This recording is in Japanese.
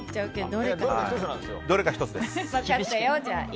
どれか１つです。